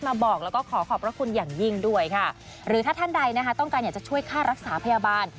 มาบอกแล้วก็ขอขอบพระคุณอย่างยิ่งด้วยค่ะหรือถ้าท่านใดนะคะต้องการอยากจะช่วยค่ารักษาพยาบาล